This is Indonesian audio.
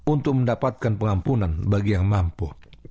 untuk mendapatkan pengampunan bagi yang mampu